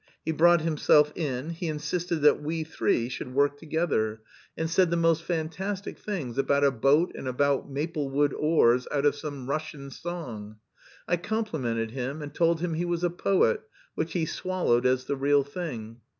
He brought himself in, he insisted that we three should work together, and said the most fantastic things about a boat and about maple wood oars out of some Russian song. I complimented him and told him he was a poet, which he swallowed as the real thing.